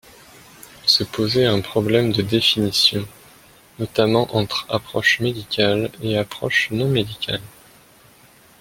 Se posait un problème de définition, notamment entre approche médicale et approche non médicale.